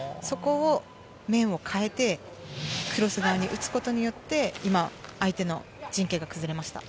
そこで面を変えてクロス前に打つことによって相手の陣形が崩れました。